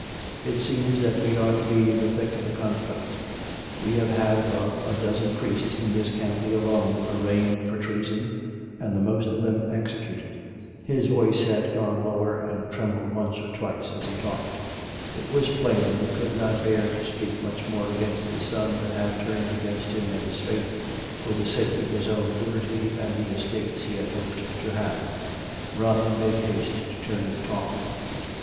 ... It seems that we are to be in the thick of the conflict. We have had above a dozen priests in this county alone arraigned for treason, and the most of them executed." His voice had gone lower, and trembled once or twice S20 COME RACK! COME ROPE! as he talked. It was plain that he could not bear to speak much more against the son that had turned against him and his Faith, for the sake of his own liberty and the estates he had hoped to have. Robin made haste to turn the talk.